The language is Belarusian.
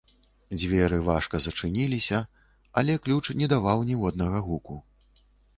Дзверы важка зачыніліся, але ключ не даваў ніводнага гуку.